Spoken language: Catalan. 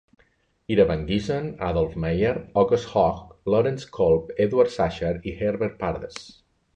Ira Van Gieson, Adolph Meyer, August Hoch, Lawrence Kolb, Edward Sachar i Herbert Pardes.